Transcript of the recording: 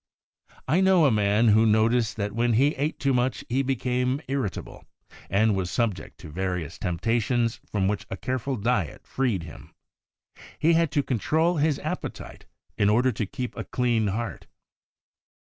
I know a man who noticed that when he ate too much he became irritable, and was subject to various temptations from which a careful diet freed him. He had to control his appetite in order to keep a clean heart.